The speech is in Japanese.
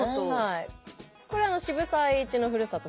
これは渋沢栄一のふるさと